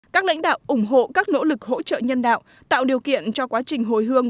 các lãnh đạo ủng hộ các nỗ lực hỗ trợ nhân đạo tạo điều kiện cho quá trình hồi hương